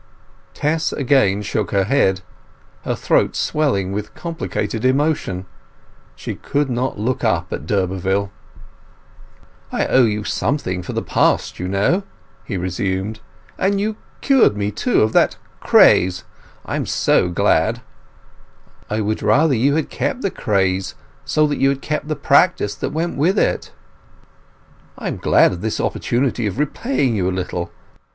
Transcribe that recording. Tess again shook her head, her throat swelling with complicated emotion. She could not look up at d'Urberville. "I owe you something for the past, you know," he resumed. "And you cured me, too, of that craze; so I am glad—" "I would rather you had kept the craze, so that you had kept the practice which went with it!" "I am glad of this opportunity of repaying you a little.